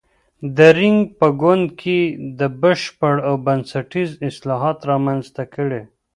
دینګ په ګوند کې بشپړ او بنسټیز اصلاحات رامنځته کړي.